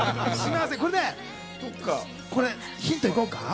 これね、ヒント行こうか。